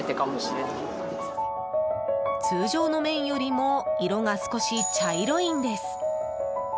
通常の麺よりも色が少し茶色いんです。